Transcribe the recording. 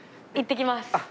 いってきます！